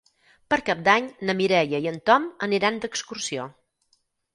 Per Cap d'Any na Mireia i en Tom aniran d'excursió.